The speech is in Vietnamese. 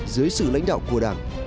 dưới sự lãnh đạo của đảng